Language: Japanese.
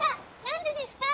何でですか？』。